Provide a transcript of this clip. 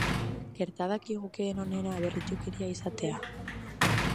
Gerta dakigukeen onena berritsukeria izatea.